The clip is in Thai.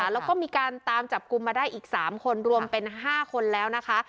แล้วก็มีการตามจับกลุ่มมาได้อีก๓คนรวมเป็น๕คนแล้วนะคะ